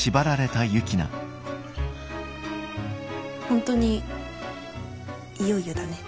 本当にいよいよだね。